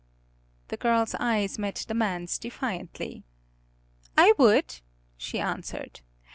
The girl's eyes met the man's defiantly. "I would," she answered.